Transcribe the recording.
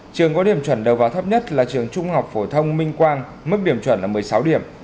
trường có điểm chuẩn đầu vào thấp nhất là trường trung học phổ thông minh quang mức điểm chuẩn là một mươi sáu điểm